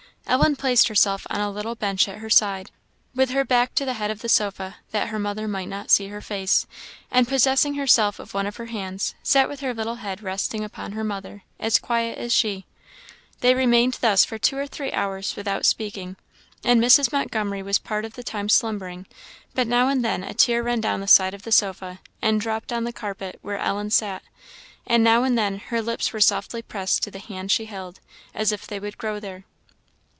Ellen placed herself on a little bench at her side, with her back to the head of the sofa, that her mother might not see her face; and, possessing herself of one of her hands, sat with her little head resting upon her mother, as quiet as she. They remained thus for two or three hours without speaking; and Mrs. Montgomery was part of the time slumbering; but now and then a tear ran down the side of the sofa, and dropped on the carpet where Ellen sat: and now and then her lips were softly pressed to the hand she held, as if they would grow there.